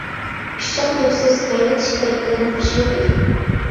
ئۇششاق گەپ-سۆز، غەيۋەت-شىكايەت بىلەن خۇشى يوق ئىدى.